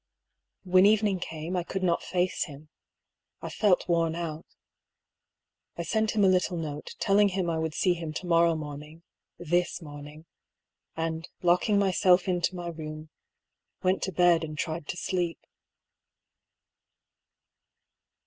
When evening came, I could not face him. I felt worn out. I sent him a little note, telling him I would see him to morrow morning {this morning) ; and lock ing myself into my room, went to bed and tried to sleep.